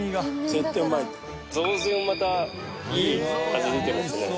雑炊もまたいい味出てますね。